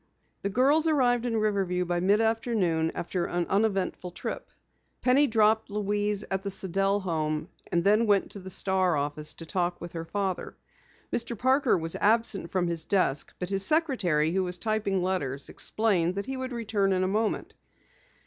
The girls arrived in Riverview by mid afternoon after an uneventful trip. Penny dropped Louise at the Sidell home and then went to the Star office to talk with her father. Mr. Parker was absent from his desk, but his secretary who was typing letters, explained that he would return in a moment.